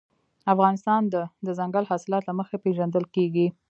افغانستان د دځنګل حاصلات له مخې پېژندل کېږي.